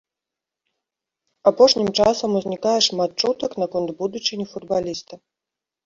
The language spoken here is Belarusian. Апошнім часам узнікае шмат чутак наконт будучыні футбаліста.